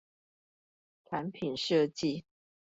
產品設計